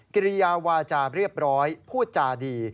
กิริยาวาจาเรียบร้อยพูดจาดี